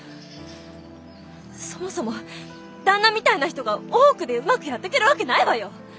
そもそも旦那みたいな人が大奥でうまくやってけるわけないわよ！